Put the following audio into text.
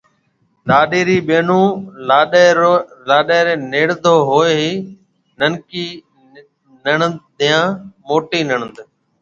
لاڏيَ ريَ ٻيونون لاڏيِ ريَ نَيڙڌُو هوئي هيَ۔ ننڪِي نَيڙڌ يان موٽِي نَيڙڌ